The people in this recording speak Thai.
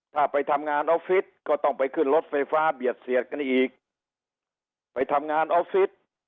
ถ้าไปทำงานออฟฟิศก็ต้องไปขึ้นรถไฟฟ้าเบียดเสียดกันอีกไปทำงานออฟฟิศ